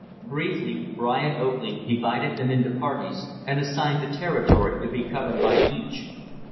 Briefly, Brian Oakley divided them into parties, and assigned the territory to be covered by each.